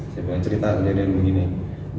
saya pengen cerita kejadian begini